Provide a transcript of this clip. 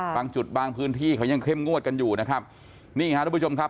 บางจุดบางพื้นที่เขายังเข้มงวดกันอยู่นะครับนี่ฮะทุกผู้ชมครับ